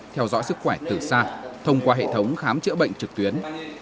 theo dõi sức khỏe từ xa thông qua hệ thống khám chữa bệnh trực tuyến